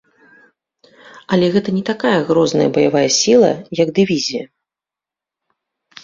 Але гэта не такая грозная баявая сіла, як дывізія.